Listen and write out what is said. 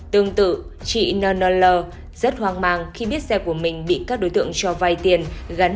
tương tự chị nnl rất hoang mang khi biết xe của mình bị các đối tượng cho vay tiền